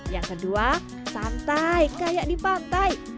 yang kedua santai kayak di pantai